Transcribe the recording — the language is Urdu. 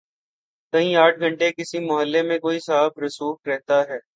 کہیں آٹھ گھنٹے کسی محلے میں کوئی صاحب رسوخ رہتا ہے۔